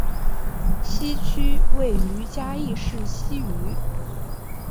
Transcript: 西区位于嘉义市西隅。